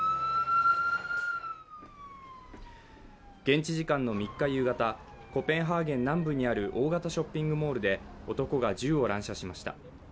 現地時間の３日夕方、コペンハーゲン南部にある大型ショッピングモールで男が銃を乱射しました。